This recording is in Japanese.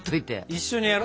一緒にやろ。